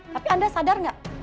tapi anda sadar enggak